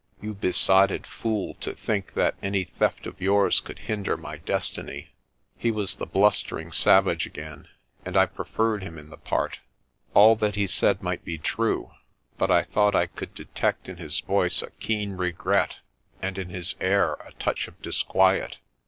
You besotted fool, to think that any theft of yours could hinder my destiny!' He was the blustering savage again, and I preferred him in the part. All that he said might be true, but I thought I could detect in his voice a keen regret and in his air a touch of disquiet.